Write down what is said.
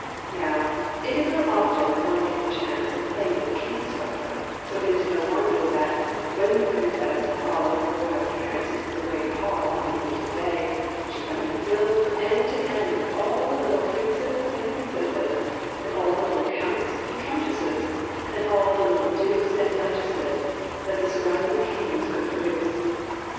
Now, it is not often that one gets a chance of playing with a King's daughter, so it is no wonder that, when the Princess fol lowed her royal parents into the great hall on the appointed day, she found it filled from end to end with all the little princes and princesses and all the little counts and countesses and all the little dukes and duchesses that the sur rounding kingdoms could produce.